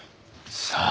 さあ。